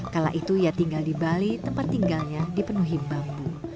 kala itu ia tinggal di bali tempat tinggalnya dipenuhi bambu